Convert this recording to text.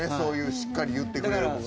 しっかり言ってくれる子が。